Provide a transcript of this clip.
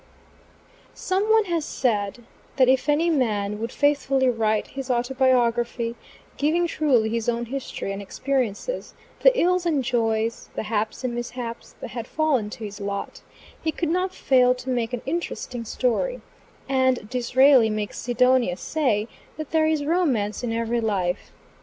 SOME one has said that if any man would faithfully write his autobiography, giving truly his own history and experiences, the ills and joys, the haps and mishaps that had fallen to his lot, he could not fail to make an interesting story; and Disraeli makes Sidonia say that there is romance in every life.